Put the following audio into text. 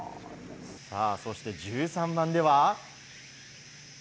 そして１３番では。